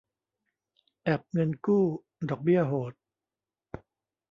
แอปเงินกู้ ดอกเบี้ยโหด